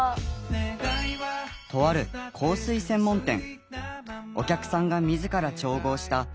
とある香水専門店。